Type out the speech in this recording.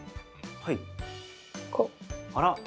はい。